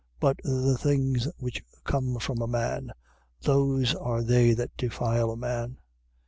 But the things which come from a man, those are they that defile a man.